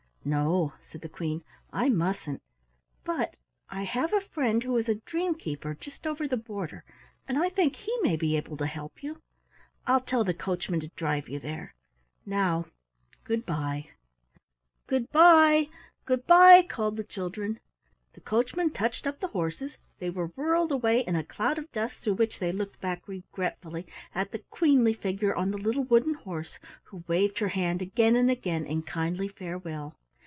"No," said the Queen, "I mustn't, but I have a friend who is a dream keeper just over the border, and I think he may be able to help you. I'll tell the coachman to drive you there. Now good by!" "Good by, good by!" called the children. The coachman touched up the horses, they were whirled away in a cloud of dust through which they looked back regretfully at the queenly figure on the little wooden horse who waved her hand again and again in kindly farewell.